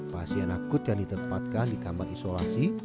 pasien akut yang ditempatkan di kamar isolasi